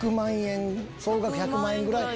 １００万円ぐらい。